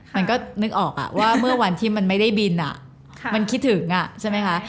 มันก็นึกออกว่าเมื่อวันที่มันไม่ได้บินมันคิดถึงใช่ไหมคะ